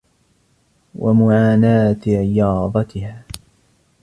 وَمُعَانَاةِ رِيَاضَتِهَا